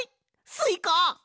スイカ。